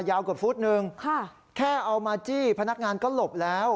ยาวกว่าฟุตนึงแค่เอามาจี้พนักงานก็หลบแล้ว